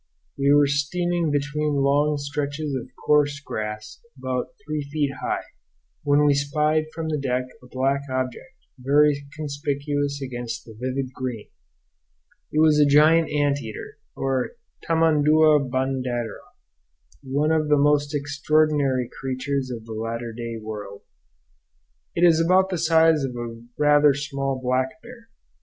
We were steaming between long stretches of coarse grass, about three feet high, when we spied from the deck a black object, very conspicuous against the vivid green. It was a giant ant eater, or tamandua bandeira, one of the most extraordinary creatures of the latter day world. It is about the size of a rather small black bear.